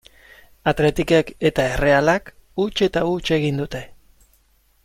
Athleticek eta Errealak huts eta huts egin dute.